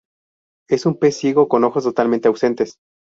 Es un pez ciego con ojos totalmente ausentes.